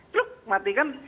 pluk matikan providernya